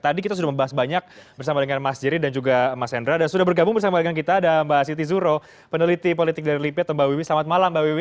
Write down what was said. tadi kita sudah membahas banyak bersama dengan mas jerry dan juga mas hendra dan sudah bergabung bersama dengan kita ada mbak siti zuro peneliti politik dari lipit mbak wiwi selamat malam mbak wiwi